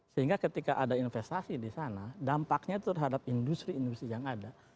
sehingga ketika ada investasi di sana dampaknya itu terhadap industri industri yang ada